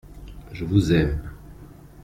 Je vous aime.